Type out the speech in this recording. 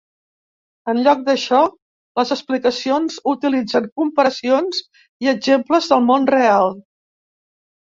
En lloc d'això, les explicacions utilitzen comparacions i exemples del món real.